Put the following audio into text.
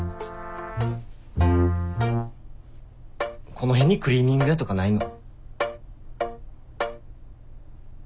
この辺にクリーニング屋とかないの？